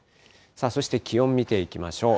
そして気温見ていきましょう。